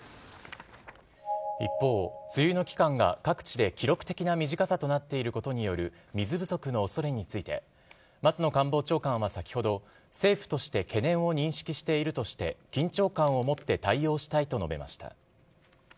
一方、梅雨の期間が各地で記録的な短さとなっていることによる水不足のおそれについて、松野官房長官は先ほど、政府として懸念を認識しているとして、緊張感を持って対応したいと述べました。